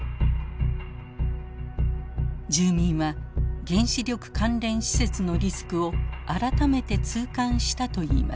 住民は原子力関連施設のリスクを改めて痛感したといいます。